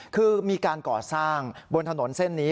คือมีการก่อสร้างบนถนนเส้นนี้